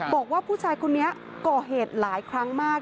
บอกว่าผู้ชายคนนี้ก่อเหตุหลายครั้งมาก